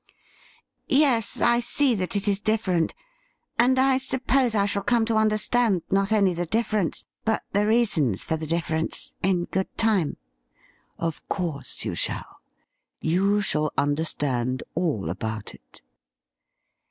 ' Yes, I see that it is different, and I suppose I shall come to understand not only the difference, but the reasons for the difference, in good time.' 'WILL YOU STAND IN WITH us?' 171 'Of course you shall. You shall understand all about it.'